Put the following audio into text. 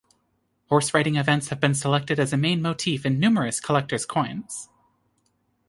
Horse riding events have been selected as a main motif in numerous collectors' coins.